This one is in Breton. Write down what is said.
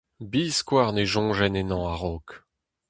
Biskoazh ne soñjen ennañ a-raok.